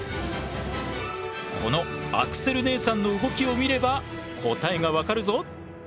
このアクセル姉さんの動きを見れば答えが分かるぞ。